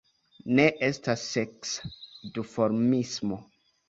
Ne estas seksa duformismo.